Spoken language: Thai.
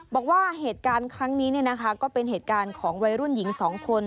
บอกว่าเหตุการณ์ครั้งนี้ก็เป็นเหตุการณ์ของวัยรุ่นหญิง๒คน